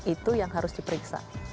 itu yang harus diperiksa